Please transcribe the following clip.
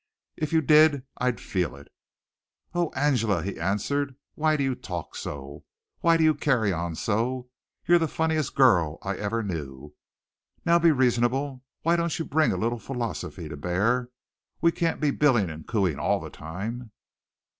If you did I'd feel it." "Oh, Angela," he answered, "why do you talk so? Why do you carry on so? You're the funniest girl I ever knew. Now be reasonable. Why don't you bring a little philosophy to bear? We can't be billing and cooing all the time!"